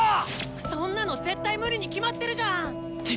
そんなの絶対無理に決まってるじゃん！